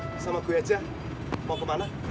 ayo sama gue aja mau kemana